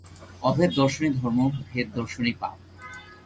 অভেদ-দর্শনই ধর্ম, ভেদ-দর্শনই পাপ।